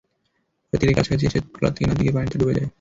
পরে তীরের কাছাকাছি এলে ট্রলার থেকে নামতে গিয়ে পানিতে পড়ে ডুবে যায়।